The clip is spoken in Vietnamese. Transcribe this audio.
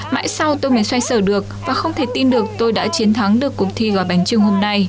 mãi sau tôi mới xoay sở được và không thể tin được tôi đã chiến thắng được cuộc thi gói bánh trưng hôm nay